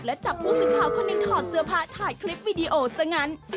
และจับผู้สื่อข่าวคนหนึ่งถอดเสื้อผ้าถ่ายคลิปวิดีโอซะงั้น